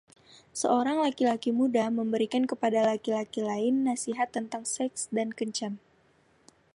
Seorang laki-laki muda memberikan kepada laki-laki lain nasihat tentang seks dan kencan.